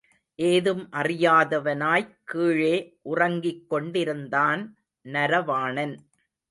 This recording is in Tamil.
ஏதும் அறியாதவனாய்க் கீழே உறங்கிக் கொண்டிருந்தான் நரவாணன்.